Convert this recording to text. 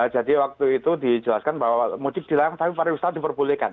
jadi waktu itu dijelaskan bahwa mudik di larangan tapi pariwisata diperbolehkan